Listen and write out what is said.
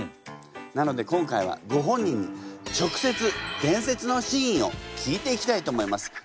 なので今回はご本人に直接伝説の真意を聞いていきたいと思います。